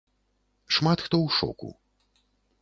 Шмат хто ў шоку.